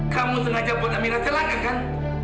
kamu sengaja buat amirah celaka kan